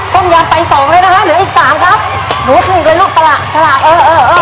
ต้มยำไปสองเลยนะคะเหลืออีกสามครับหนูถูกเลยลูกสละสละเออเออเออ